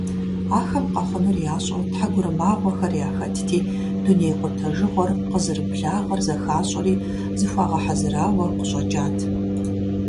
Ахэм къэхъунур ящӀэу тхьэгурымагъуэхэр яхэтти, дуней къутэжыгъуэр къызэрыблагъэр зыхащӀэри зыхуагъэхьэзырауэ къыщӀэкӀат.